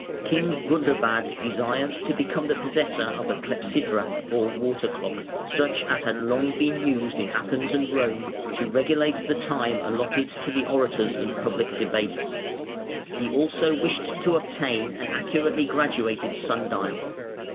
King Gundobad desired to become the possessor of a clepsydra or water clock, such as had long been used in Athens and Rome, to regulate the time allotted to the orators in public debates. He also wished to obtain an accurately graduated sun dial.